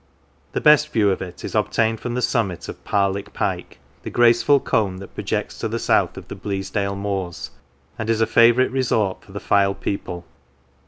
The best view of it is obtained from the summit of Parlick Pike, the graceful cone that projects to the south of the Bleasdale moors, and is a favourite resort for the Fylde people.